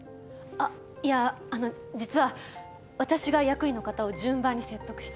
あっいやあの実は私が役員の方を順番に説得して。